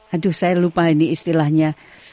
aduh saya lupa ini istilahnya